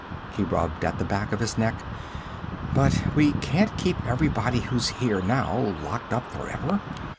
He rubbed at the back of his neck. "But we can't keep everybody who's here now locked up forever.